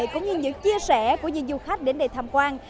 cũng như những chia sẻ của những du khách đến đây tham quan